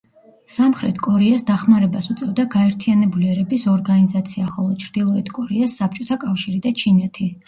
სამხრეთ კორეას დახმარებას უწევდა გაერთიანებული ერების ორგანიზაცია, ხოლო ჩრდილოეთ კორეას საბჭოთა კავშირი და ჩინეთი.